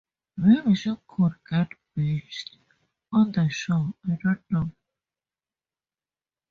Maybe she could get beached on the shore, I don't know.